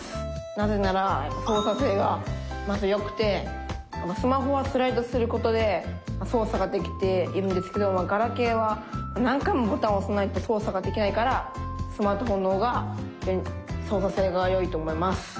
なぜならそうさ性がまずよくてスマホはスライドすることでそうさができているんですけどガラケーは何回もボタンをおさないとそうさができないからスマートフォンのほうがそうさ性がよいと思います。